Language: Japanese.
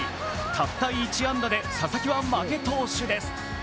たった１安打で佐々木は負け投手です。